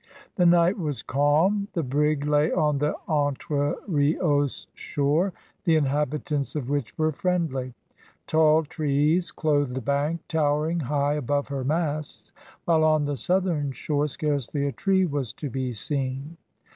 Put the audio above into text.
The night was calm, the brig lay on the Entre Rios shore, the inhabitants of which were friendly. Tall trees clothed the bank, towering high above her masts, while on the southern shore scarcely a tree was to be seen.